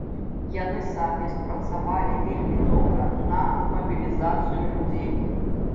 Яны самі спрацавалі вельмі добра на мабілізацыю людзей.